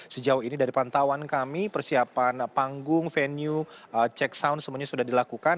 sejauh ini dari pantauan kami persiapan panggung venue check sound semuanya sudah dilakukan